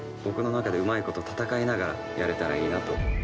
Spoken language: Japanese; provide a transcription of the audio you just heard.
僕の中でうまいこと戦いながらやれたらいいなと。